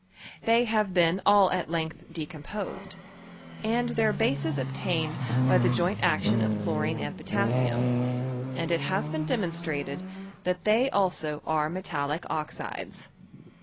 They have been all at length decomposed, and their bases obtained by the joint action of chlorine and potas sium, and it has been demonstrated, that they also are metallic oxides.